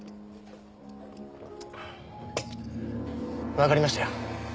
わかりましたよ。